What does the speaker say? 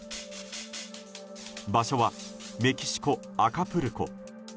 場所はメキシコ・アカプルコ。